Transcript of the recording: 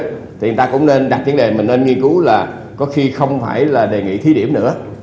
thì người ta cũng nên đặt vấn đề mà nên nghiên cứu là có khi không phải là đề nghị thí điểm nữa